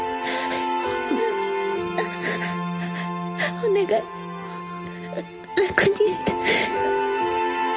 お願い楽にして。